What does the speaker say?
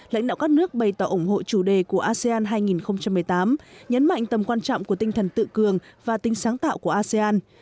lãnh đạo các nước bày tỏ ủng hộ chủ đề của asean hai nghìn một mươi tám nhấn mạnh tầm quan trọng của tinh thần tự cường và tính sáng tạo của asean